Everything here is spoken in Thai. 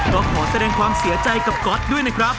ก็ขอแสดงความเสียใจกับก๊อตด้วยนะครับ